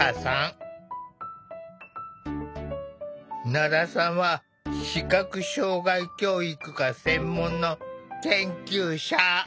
奈良さんは視覚障害教育が専門の研究者。